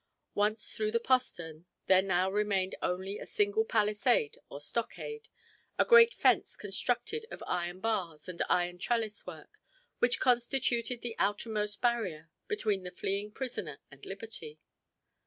Once through the postern there now remained only a single palisade or stockade a great fence constructed of iron bars and iron trellis work, which constituted the outermost barrier between the fleeing prisoner and liberty.